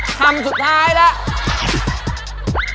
คำสุดท้ายแล้ว